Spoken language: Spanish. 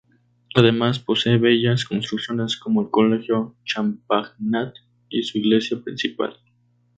Además, posee bellas construcciones como el colegio Champagnat y su iglesia principal.